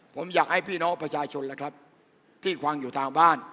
ผมอยากให้พี่น้องประชาชนแล้วครับที่ฟังอยู่ทางบ้าน